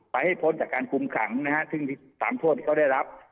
ให้พ้นจากการคุมขังนะฮะซึ่งตามโทษที่เขาได้รับ